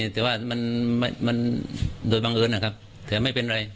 แต่ว่าโดยบ้างเอิญ